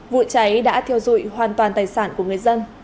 vụ cháy đã thiêu dụi hoàn toàn tài sản của người dân